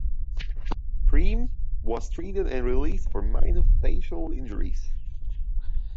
Primm was treated and released for minor facial injuries.